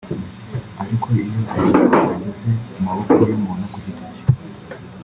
ariko iyo ayo mabanga ageze mu maboko y’umuntu ku giti cye